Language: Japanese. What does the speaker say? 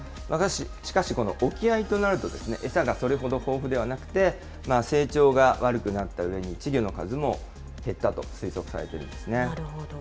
しかし、この沖合となるとですね、餌がそれほど豊富ではなくて、成長が悪くなったうえに、稚魚の数も減ったと推測されているんですなるほど。